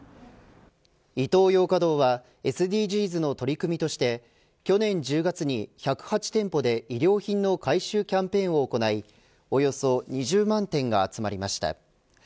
イトーヨーカ堂はＳＤＧｓの取り組みとして去年１０月に１０８店舗で衣料品の回収キャンペーンを行いおよそ２０万点が集まりました。